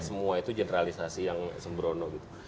semua itu generalisasi yang sembrono gitu